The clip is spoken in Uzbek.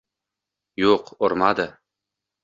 Yo‘q, urmadi.